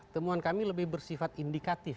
temuan kami lebih bersifat indikatif